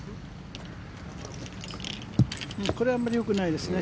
これはあんまりよくないですね。